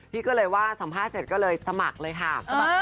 พี่ก็เลยว่าสัมภาษณ์เสร็จก็เลยสมัครเลยค่ะ